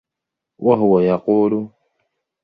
وَهُوَ يَقُولُ